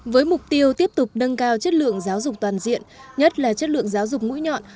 với mục tiêu tiếp tục nâng cao chất lượng giáo dục toàn diện nhất là chất lượng giáo dục mũi nhọn